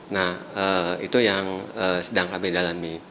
nah itu yang sedang kami dalami